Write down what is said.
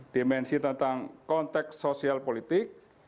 dimensi tentang konteks sosial politik